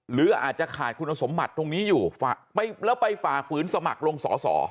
หรืออาจจะขาดคุณสมบัติตรงนี้อยู่แล้วไปฝ่าฝืนสมัครลงสอสอ